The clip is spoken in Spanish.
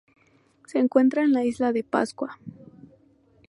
Se encuentra en la isla de Pascua.